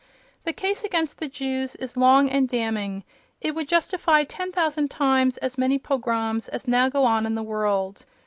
The case against the Jews is long and damning; it would justify ten thousand times as many pogroms as now go on in the world.